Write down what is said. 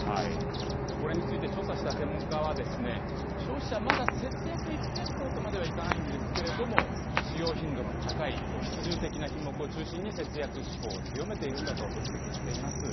これについて、調査した専門家は、消費者、まだ節約一辺倒とまではいかないんですけれども、使用頻度の高い必需的な品目を中心に節約志向を強めているんだと分析しています。